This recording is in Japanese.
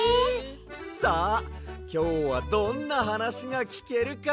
さあきょうはどんなはなしがきけるか。